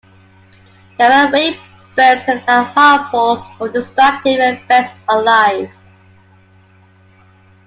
Gamma ray bursts can have harmful or destructive effects on life.